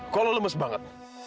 kau lemes banget